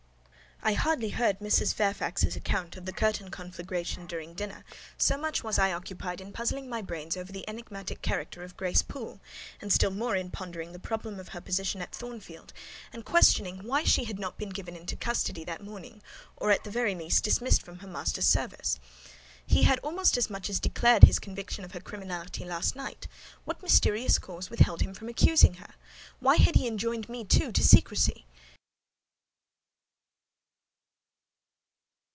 I hardly heard Mrs. Fairfax's account of the curtain conflagration during dinner, so much was I occupied in puzzling my brains over the enigmatical character of Grace Poole, and still more in pondering the problem of her position at Thornfield and questioning why she had not been given into custody that morning, or, at the very least, dismissed from her master's service. He had almost as much as declared his conviction of her criminality last night: what mysterious cause withheld him from accusing her? Why had he enjoined me, too, to secrecy?